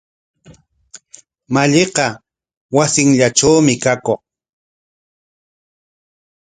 Malliqa wasinllatrawmi kakuq.